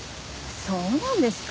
そうなんですか。